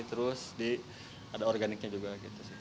terus ada organiknya juga gitu sih